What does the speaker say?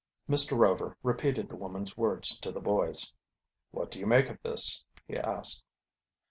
Mr. Rover repeated the woman's words to the boys. "What do you make of this?" he asked.